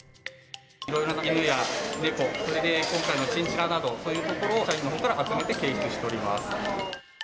いろいろな犬や猫、それで今回のチンチラなど、そういうところを社員の方から集めて掲載しております。